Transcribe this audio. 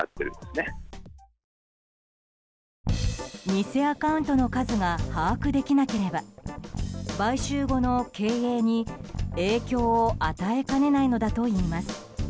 偽アカウントの数が把握できなければ買収後の経営に影響を与えかねないのだといいます。